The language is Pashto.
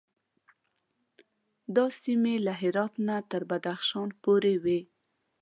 دا سیمې له هرات نه تر بدخشان پورې وې.